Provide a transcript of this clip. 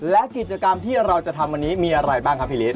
และกิจกรรมที่เราจะทำวันนี้มีอะไรบ้างครับพี่ฤท